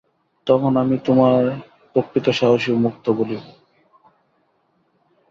তখন আমি তোমায় প্রকৃত সাহসী ও মুক্ত বলিব।